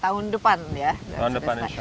tahun depan insya allah